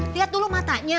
lihat dulu matanya